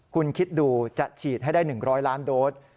คุณคิดดูจะฉีดให้ได้๑๐๐ล้านโดส